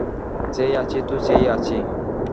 চেয়ে আছি তো চেয়েই আছি!